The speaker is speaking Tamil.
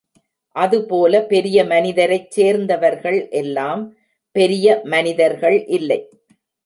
அதுபோல பெரிய மனிதரைச் சேர்ந்தவர்கள் எல்லாம் பெரிய மனிதர்கள் இல்லை.